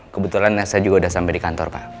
kebetulan saya juga udah sampai di kantor pak